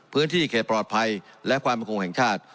พื้นที่เขตปลอดภัยและความประคงแห่งชาติ